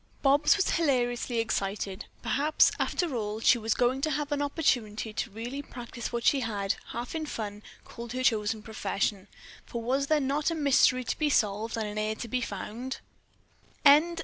Bobs was hilariously excited. Perhaps, after all, she was going to have an opportunity to really practice what she had, half in fun, called her chosen profession, for was there not a mystery to be solved and an heir to be found?